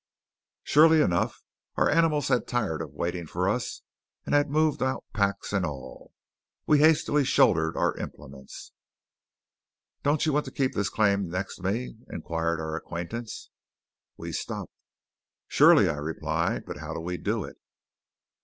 Surely enough, our animals had tired of waiting for us, and had moved out packs and all. We hastily shouldered our implements. "Don't you want to keep this claim next me?" inquired our acquaintance. We stopped. "Surely!" I replied. "But how do we do it?"